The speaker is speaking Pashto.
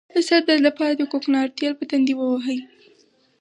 د سر درد لپاره د کوکنارو تېل په تندي ووهئ